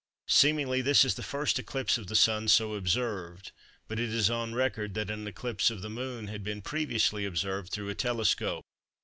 Seemingly this is the first eclipse of the Sun so observed, but it is on record that an eclipse of the Moon had been previously observed through a telescope.